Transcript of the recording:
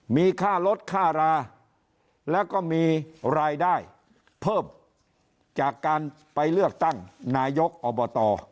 มีค่ารถค่าราแล้วก็มีรายได้เพิ่มจากการไปเลือกตั้งนายกอบต